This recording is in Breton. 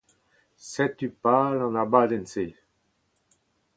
Setu pal an abadenn-se.